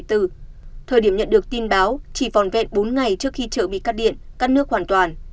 thời điểm nhận được tin báo chỉ vòn vẹn bốn ngày trước khi chợ bị cắt điện cắt nước hoàn toàn